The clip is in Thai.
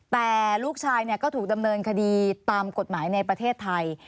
แต่ลูกชายก็ถูกดำเนินคดีตามกฎหมายในประเทศไทย